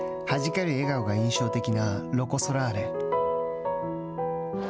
はじける笑顔が印象的なロコ・ソラーレ。